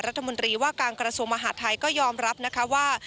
รัฐมนตรีว่าการกระทรวงมหาดไทยก็ยอมรับนะคะว่า